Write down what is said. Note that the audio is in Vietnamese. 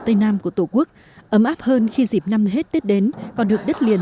tây nam của tổ quốc ấm áp hơn khi dịp năm hết tết đến còn được đất liền